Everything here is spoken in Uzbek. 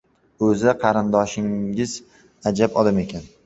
O‘zi, qarindoshingiz ajab odam ekan.